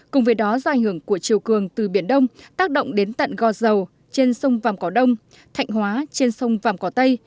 cùng với đó do ảnh hưởng của chiều cường từ biển đông tác động đến tận gò dầu trên sông vàm cỏ đông thạnh hóa trên sông vàm cỏ tây